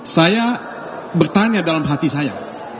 saya bertanya dalam hati saya